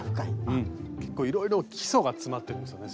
うん結構いろいろ基礎が詰まってるんですよね